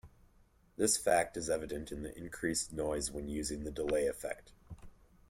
This fact is evident in the increased noise when using the delay effect.